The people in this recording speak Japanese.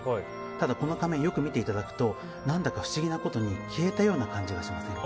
ただ、この仮面よく見ていただくと何だか不思議なことに消えたような感じがしません？